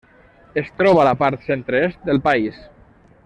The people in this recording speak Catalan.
Es troba a la part centre-est del país.